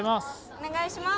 お願いします！